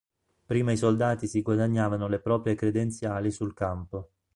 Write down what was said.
Prima i soldati si guadagnavano le proprie credenziali sul campo.